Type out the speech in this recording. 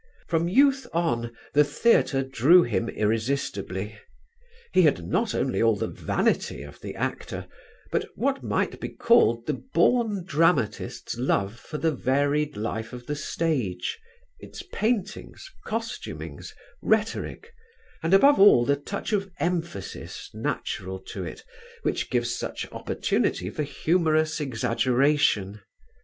From youth on the theatre drew him irresistibly; he had not only all the vanity of the actor; but what might be called the born dramatist's love for the varied life of the stage its paintings, costumings, rhetoric and above all the touch of emphasis natural to it which gives such opportunity for humorous exaggeration.